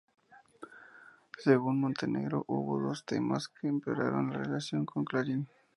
Según Montenegro, hubo dos temas que empeoraron la relación con "Clarín".